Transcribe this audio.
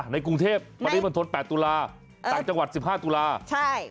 ในกรุงเทพปริมันทน๘ตุลาคมต่างจังหวัด๑๕ตุลาคม